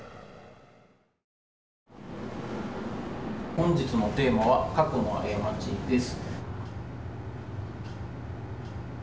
本日のテーマは「過去のあやまち」です。